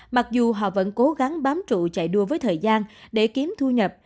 mặc dù họ vẫn cố gắng bám trụ chạy đua với thời gian để kiếm thu nhập